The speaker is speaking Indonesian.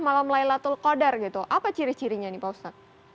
malam laylatul qadar gitu apa ciri cirinya nih pak ustadz